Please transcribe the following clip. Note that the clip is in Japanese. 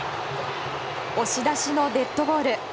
押し出しのデッドボール。